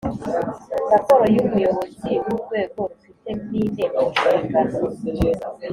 Raporo y’umuyobozi w’urwego rufite mine mu nshingano